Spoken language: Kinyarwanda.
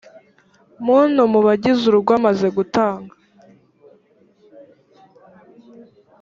muntu mu bagize urugo amaze gutanga